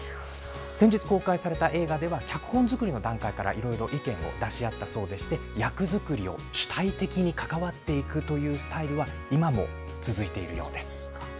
先日公開された映画では、脚本作りの段階からいろいろ意見を出し合ったそうでして、役作りを主体的に関わっていくというスタイルは、今も続いているようです。